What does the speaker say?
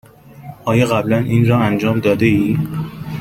آیا قبلا این را انجام داده ای؟